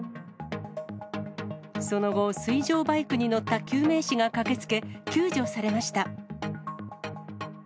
その後、水上バイクに乗った救命士が駆けつけ、救助されました。